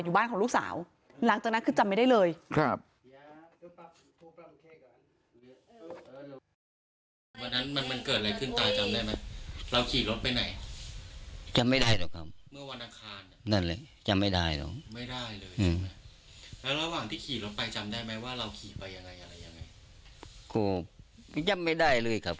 บ้านของลูกสาวหลังจากนั้นคือจำไม่ได้เลยครับ